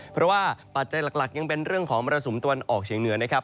เพราะว่าปัจจัยหลักยังเป็นเรื่องของมรสุมตะวันออกเฉียงเหนือนะครับ